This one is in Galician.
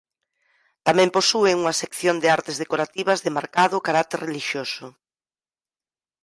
Tamén posúe unha sección de artes decorativas de marcado carácter relixioso.